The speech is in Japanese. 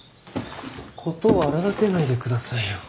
事を荒立てないでくださいよ。